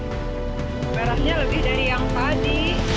merahnya lebih dari yang tadi